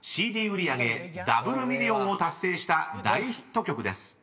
売り上げダブルミリオンを達成した大ヒット曲です］